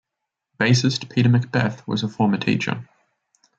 Bassist Peter Macbeth was a former teacher.